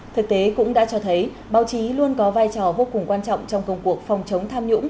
thực tế cũng đã cho thấy báo chí luôn có vai trò vô cùng quan trọng trong công cuộc phòng chống tham nhũng